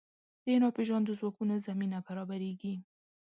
د ناپېژاندو ځواکونو زمینه برابرېږي.